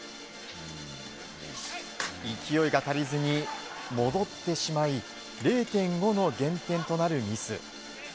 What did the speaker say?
勢いが足りずに戻ってしまい０．５の減点となるミス。